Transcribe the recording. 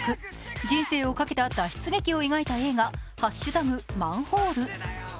人生をかけた脱出劇を描いた映画「＃マンホール」。